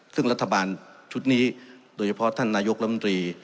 ซึ่งรัฐบาลชุดนี้โดยเฉพาะท่านนายกรรมตรี